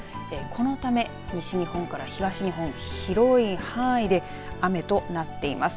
このため西日本から東日本広い範囲で雨となっています。